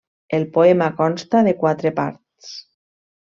El poema consta de quatre parts.